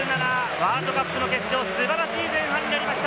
ワールドカップの決勝を素晴らしい前半になりました。